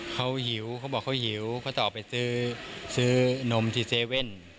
เขาหิวเขาบอกเขาหิวเขาจะออกไปซื้อนมที่๗๑๑